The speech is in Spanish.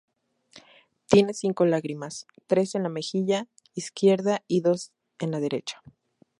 Tiene cinco lágrimas, tres en la mejilla izquierda y dos en la derecha.